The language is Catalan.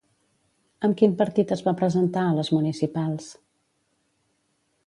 Amb quin partit es va presentar a les municipals?